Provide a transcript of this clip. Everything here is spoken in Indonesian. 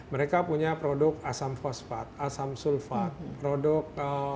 mereka punya produk asam fosfat asam sulfat produk